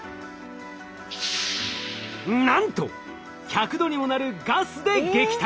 なんと１００℃にもなるガスで撃退！